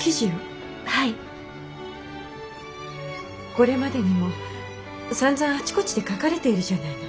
これまでにもさんざんあちこちで書かれているじゃないの。